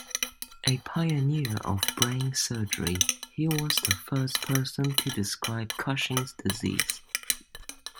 A pioneer of brain surgery, he was the first person to describe Cushing's disease.